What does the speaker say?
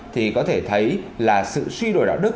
thì có thể thấy là sự suy đổi đạo đức